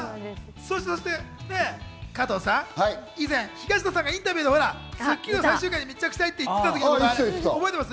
そして加藤さん、以前、東野さんがインタビューで『スッキリ』の最終回に密着したいって言ってた時のこと、覚えてます？